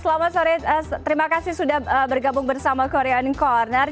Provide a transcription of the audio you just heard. selamat sore terima kasih sudah bergabung bersama korean corner